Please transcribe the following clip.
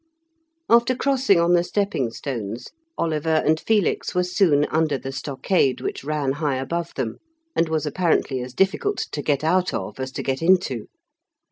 After crossing on the stepping stones Oliver and Felix were soon under the stockade which ran high above them, and was apparently as difficult to get out of as to get into.